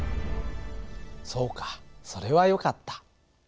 そうかそれはよかった。